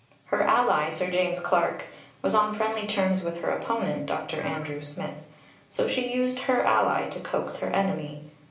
Her ally, Sir James Clark, was on friendly terms with her opponent, Dr. Andrew Smith. So she used her ally to coax her enemy.